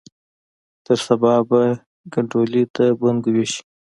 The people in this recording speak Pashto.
تر سبا به کنډولي د بنګو ویشي